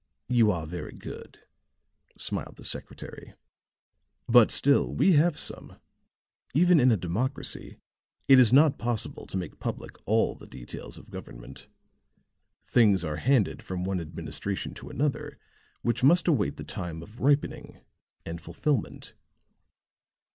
"You are very good," smiled the secretary. "But, still, we have some. Even in a democracy, it is not possible to make public all the details of government. Things are handed from one administration to another which must await the time of ripening and fulfilment."